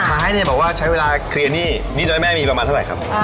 สุดท้ายเนี่ยบอกว่าใช้เวลาเคลียร์หนี้นี่แม่มีประมาณสักแหละครับ